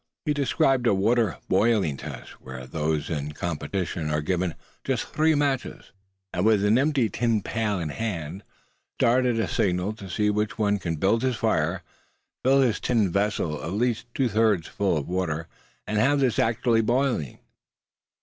He described a water boiling test, where those in competition are given just three matches, and with an empty tin pail in hand, start at a signal to see which one can build his fire, fill his tin vessel at least two thirds full of water, and have this actually boiling.